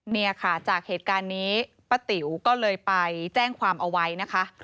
เนี่ยค่ะจากเหตุการณ์นี้ป้าติ๋วก็เลยไปแจ้งความเอาไว้นะคะ